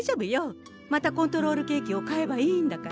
またコントロールケーキを買えばいいんだから。